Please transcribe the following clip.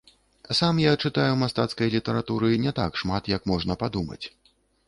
Сам я чытаю мастацкай літаратуры не так шмат, як можна падумаць.